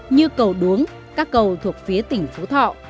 như cầu đuống các cầu thuộc phía tỉnh phú thọ